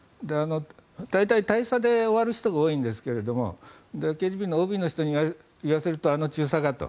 大体、大佐で終わる人が多いんですがＫＧＢのＯＢの人に言わせるとあの中佐かと。